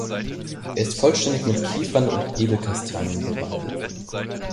Er ist vollständig mit Kiefern und Edelkastanien bewaldet.